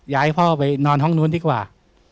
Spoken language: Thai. ให้พ่อไปนอนห้องนู้นดีกว่า